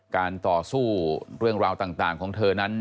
การต่อสู้เรื่องราวต่างของเธอนั้น